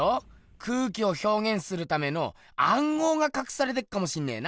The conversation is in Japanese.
空気をひょうげんするためのあんごうがかくされてっかもしんねぇな。